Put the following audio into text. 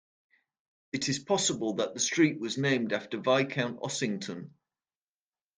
It is possible that the street was named after Viscount Ossington.